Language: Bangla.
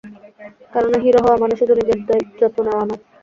কেননা হিরো হওয়া মানে শুধু নিজের যত্ন নেওয়া নয়।